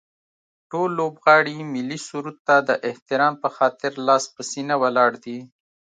ټول لوبغاړي ملي سرود ته د احترام به خاطر لاس په سینه ولاړ دي